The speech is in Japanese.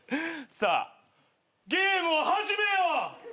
さあゲームを始めよう！